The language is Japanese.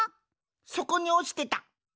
そこにおちてた。